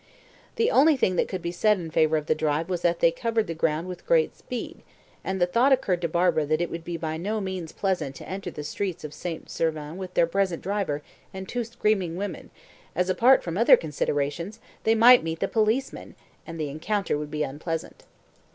The only thing that could be said in favour of the drive was that they covered the ground with great speed, and the thought occurred to Barbara that it would be by no means pleasant to enter the streets of St. Servan with their present driver and two screaming women, as, apart from other considerations, they might meet the policeman, and the encounter would be unpleasant.